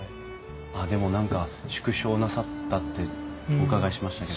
でも縮小なさったってお伺いしましたけど。